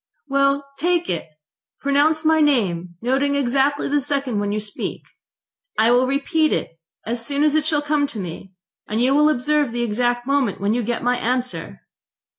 .... "Well, take it. Pronounce my name, noting exactly the second when you speak. I will repeat it as soon as it shall come to me, and you will observe the exact moment when you get my answer."